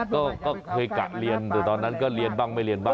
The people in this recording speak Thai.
ก็เคยกะเรียนแต่ตอนนั้นก็เรียนบ้างไม่เรียนบ้าง